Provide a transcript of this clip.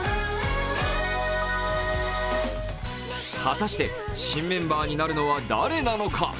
果たして、新メンバーになるのは誰なのか？